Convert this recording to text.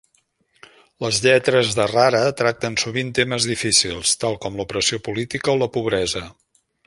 Les lletres de Rara tracten sovint temes difícils, tal com l'opressió política o la pobresa.